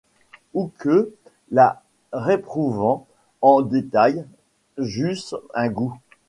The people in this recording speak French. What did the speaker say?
Ou que, la réprouvant en détail, j'eusse un goût